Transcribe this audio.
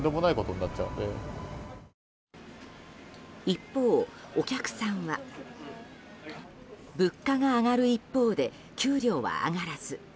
一方、お客さんは物価が上がる一方で給料は上がらず。